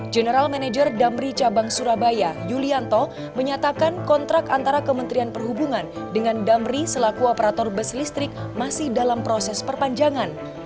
general manager damri cabang surabaya yulianto menyatakan kontrak antara kementerian perhubungan dengan damri selaku operator bus listrik masih dalam proses perpanjangan